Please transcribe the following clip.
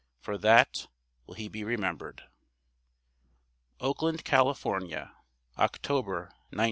For that will he be remembered. OAKLAND, CALIFORNIA. October 1901.